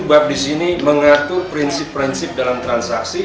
tujuh bab disini mengatur prinsip prinsip dalam transaksi